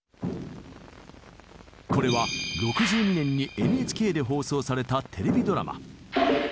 これは６２年にＮＨＫで放送されたテレビドラマ。